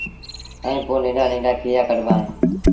ائيٚݩ پو ننڍآ ننڍآ کيريآ ڪڍبآ اهيݩ